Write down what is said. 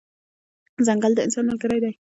ځنګل د انسان ملګری دی.